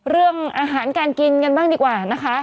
เรื่องอาหารการกินกันบ้างดีกว่านะคะ